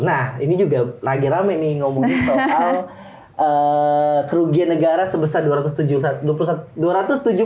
nah ini juga lagi rame nih ngomongin soal kerugian negara sebesar dua ratus tujuh puluh satu